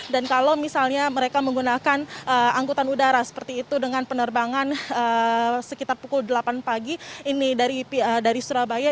dan kalau misalnya mereka menggunakan angkutan udara seperti itu dengan penerbangan sekitar pukul delapan pagi ini dari surabaya